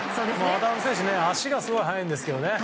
渡部選手、足がすごく速いんですけどね。